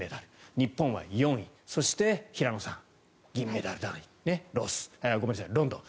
日本は４位そして平野さん、銀メダルロンドン。